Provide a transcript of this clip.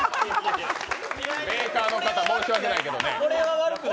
メーカーの方、申し訳ないけどね。